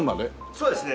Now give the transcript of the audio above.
そうですね。